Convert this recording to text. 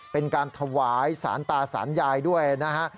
เป็นการถวายสารตาสารยายด้วยนะฮะ